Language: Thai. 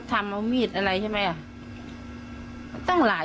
อืมเขาปิดไว้เฉยเฉยป้องกันใช่ไหม